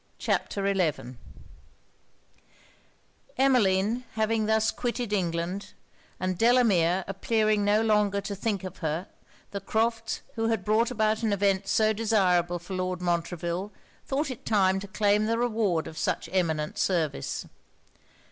CHAPTER XI Emmeline having thus quitted England, and Delamere appearing no longer to think of her, the Crofts', who had brought about an event so desirable for Lord Montreville, thought it time to claim the reward of such eminent service.